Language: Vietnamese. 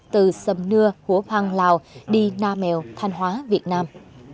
từ sầm nưa hùa phan lào đi na mèo thanh hóa việt nam